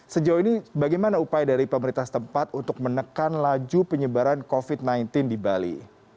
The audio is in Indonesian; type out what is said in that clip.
sejauh ini bagaimana upaya dari pemerintah setempat untuk menekan laju penyebaran covid sembilan belas di bali